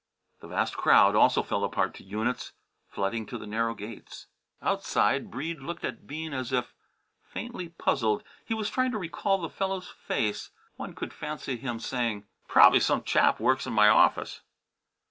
The vast crowd also fell apart to units, flooding to the narrow gates. Outside Breede looked at Bean as if, faintly puzzled, he was trying to recall the fellow's face. One could fancy him saying, "Prob'ly some chap works in m' office."